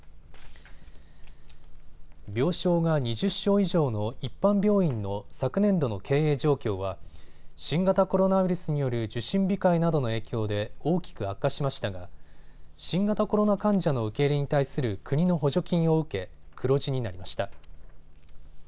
病床が２０床以上の一般病院の昨年度の経営状況は新型コロナウイルスによる受診控えなどの影響で大きく悪化しましたが新型コロナ患者の受け入れに対する国の補助金を受け黒字になりました。